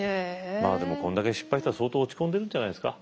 まあでもこんだけ失敗したら相当落ち込んでるんじゃないですか。